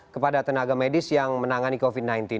kepada tenaga medis yang menangani covid sembilan belas